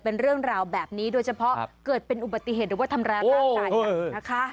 เพราะเกิดเป็นอุบัติเหตุหรือว่าทำร้านต่างนะคะ